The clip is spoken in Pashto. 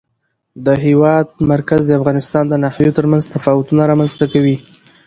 د هېواد مرکز د افغانستان د ناحیو ترمنځ تفاوتونه رامنځته کوي.